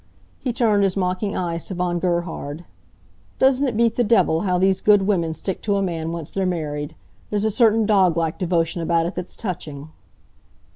He turned his mocking eyes to Von Gerhard. "Doesn't it beat the devil, how these good women stick to a man, once they're married! There's a certain dog like devotion about it that's touching."